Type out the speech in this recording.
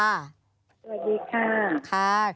สวัสดีค่ะ